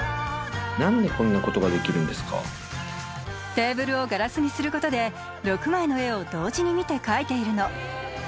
テーブルをガラスにすることで６枚の絵を同時に見て描いているの。